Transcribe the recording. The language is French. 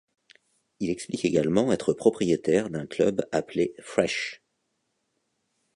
Il explique également être propriétaire d'un club appelé Fresh.